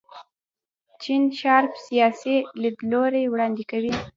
جین شارپ سیاسي لیدلوری وړاندې کوي.